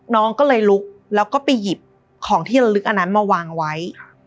น้องก็เลยลุกแล้วก็ไปหยิบของที่ละลึกอันนั้นมาวางไว้